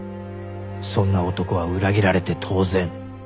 そんな男は裏切られて当然